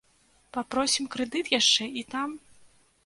Папросім крэдыт яшчэ і там?